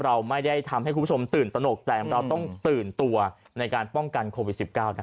เราไม่ได้ทำให้คุณผู้ชมตื่นตนกแต่เราต้องตื่นตัวในการป้องกันโควิด๑๙นะครับ